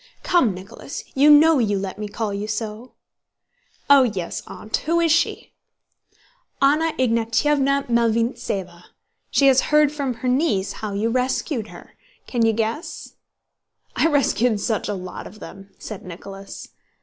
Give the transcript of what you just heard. "Come, Nicholas! You know you let me call you so?" "Oh, yes, Aunt. Who is she?" "Anna Ignátyevna Malvíntseva. She has heard from her niece how you rescued her.... Can you guess?" "I rescued such a lot of them!" said Nicholas.